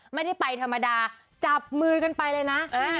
ไม่ได้ไปธรรมดาจับมือกันไปเลยนะ